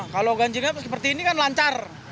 kalau ganjil genap seperti ini kan lancar